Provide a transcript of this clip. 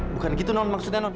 bukan gitu non maksudnya non